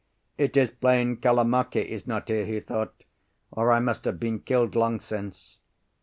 "It is plain Kalamake is not here," he thought, "or I must have been killed long since."